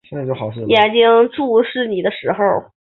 眼睛注视你的时候